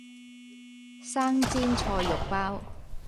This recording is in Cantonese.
生煎菜肉包